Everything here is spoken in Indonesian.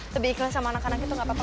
lebih ikhlas sama anak anak itu gak apa apa